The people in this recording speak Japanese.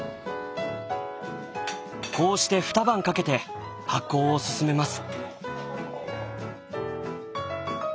こうして二晩かけて発酵を進めます。